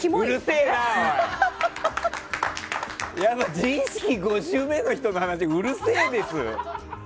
自意識５周目の人の話うるせえです。